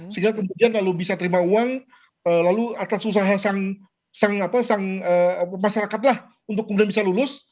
sehingga kemudian lalu bisa terima uang lalu atas usaha masyarakat lah untuk kemudian bisa lulus